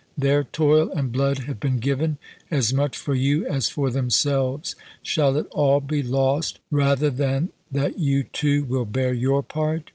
Their toil and blood have been given as much for you as for themselves. Shall it all be lost rather than that you, too, will bear your part